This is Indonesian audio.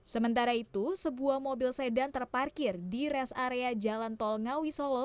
sementara itu sebuah mobil sedan terparkir di res area jalan tol ngawi solo